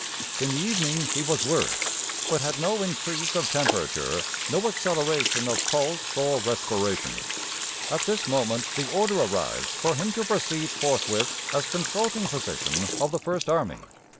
In the evening he was worse, but had no increase of temperature, no acceleration of pulse or respiration. At this moment the order arrived for him to proceed forthwith as Consulting Physician of the First Army.